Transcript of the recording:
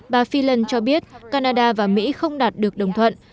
bà feland cho biết canada và mỹ không đạt được đồng thuận